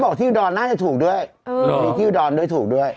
บอกที่ดรน่าจะถูกด้วย